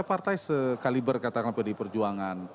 partai sekaliber katakan apa di perjuangan